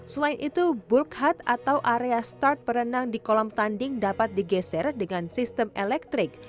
selain itu bulk head atau area start perenang di kolam tanding dapat digeser dengan sistem elektrik